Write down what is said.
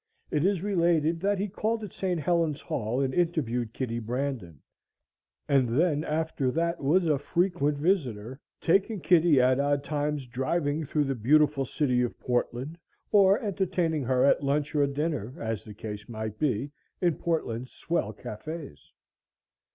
It is related that he called at St. Helen's Hall and interviewed Kitty Brandon, and then after that was a frequent visitor, taking Kitty at odd times driving through the beautiful city of Portland or entertaining her at lunch or dinner, as the case might be, in Portland's swell cafes.